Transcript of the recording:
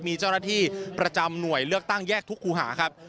มีเจ้าหน้าที่ประจำหน่วยเลือกตั้งแยกทุกครูหาครับ